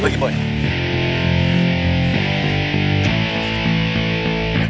terus pengapain masih sih